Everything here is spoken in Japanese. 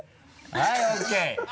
はいＯＫ！